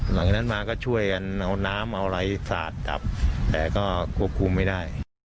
หลังจากนั้นมาก็ช่วยกันเอาน้ำเอาอะไรสาดจับแต่ก็ควบคุมไม่ได้